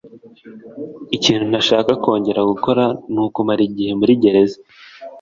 Ikintu ntashaka kongera gukora ni ukumara igihe muri gereza.